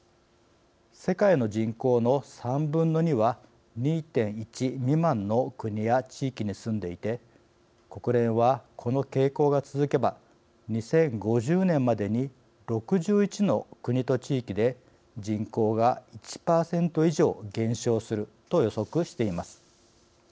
世界の人口の３分の２は２．１未満の国や地域に住んでいて、国連はこの傾向が続けば２０５０年までに６１の国と地域で人口が１％以上減少すると予測しています。